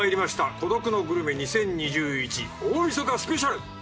『孤独のグルメ２０２１大晦日スペシャル』。